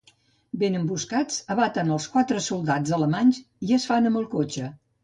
Ben emboscats, abaten els quatre soldats alemanys i es fan amb el cotxe.